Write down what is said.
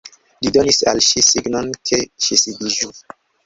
Li donis al ŝi signon, ke ŝi sidiĝu.